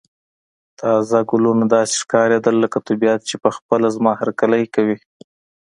تازه ګلونه داسې ښکاریدل لکه طبیعت چې په خپله زما هرکلی کوي.